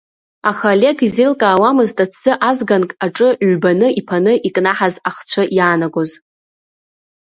Аха Олег изеилкаауамызт аҭӡы азганк аҿы ҩбаны иԥаны икнаҳаз ахцәы иаанагоз.